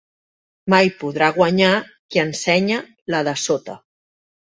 Mai podrà guanyar qui ensenya la de sota.